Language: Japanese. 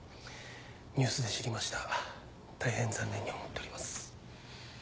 ニュースで知りました大変残念に思っております。